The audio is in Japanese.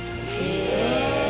へえ！